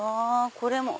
これも。